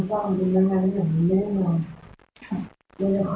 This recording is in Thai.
ภรรยาของเวียนมงค์